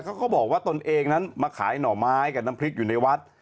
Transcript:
เขาบอกว่าตนเองนั้นมาขายหน่อไม้กับน้ำพริกอยู่ในวัด